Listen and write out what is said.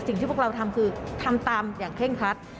สิ่งที่พวกเราทำคือทำตามอย่างเคร่งครัด